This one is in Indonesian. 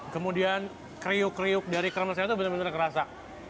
kemudian kriuk kriuk dari kremen saya itu benar benar kerasa